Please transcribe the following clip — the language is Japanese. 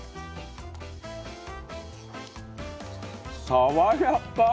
爽やか！